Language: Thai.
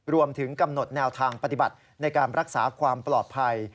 รวมถึงกำหนดแนวทางปฏิบัติในการรักษาความปลอดภัย